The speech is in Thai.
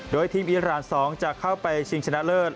โดยทีมอีราน๒จะเข้าไปชิงชนะเลิศ